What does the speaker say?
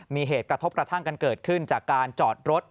มีเหตุกระทบกระทั่งกันเกิดขึ้นจากการจอดรถ